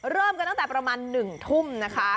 เริ่มกันตั้งแต่ประมาณ๑ทุ่มนะคะ